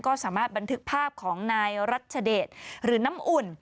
ก็สามารถบันทึกภาพของนายรัชเดชหรือน้ำอุ่น